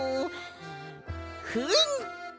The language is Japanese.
ふん！